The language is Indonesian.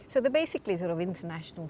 jadi itu adalah standar internasional